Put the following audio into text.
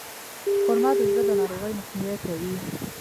خرما د زړه د ناروغیو مخنیوی کوي.